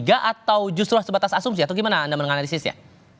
atau justru sebatas asumsi atau gimana anda menganalisisnya